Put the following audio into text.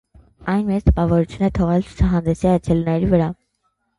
Այն մեծ տպավորություն է թողել ցուցահանդեսի այցելուների վրա։